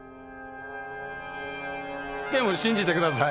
でも信じてください！